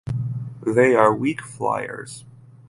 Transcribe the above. They are weak fliers.